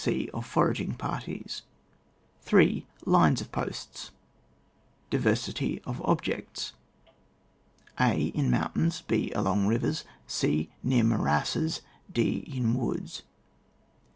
e. Of foraging parties. 8. Lines of posts — Diversity of ob jects :— a. In mountains, h. Along rivers, c. Near morasses, d. In woods.